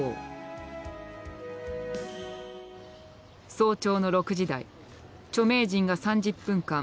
早朝の６時台著名人が３０分間